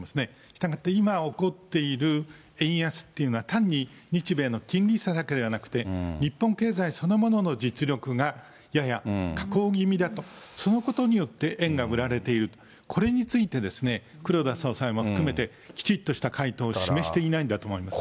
したがって、今起こっている円安っていうのは、単に日米の金利差だけではなくて、日本経済そのものの実力がやや下降気味だと。そのことによって円が売られている、これについて黒田総裁も含めて、きちっとした回答を示していないんだと思います。